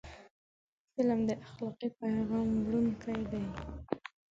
فلم د اخلاقي پیغام وړونکی دی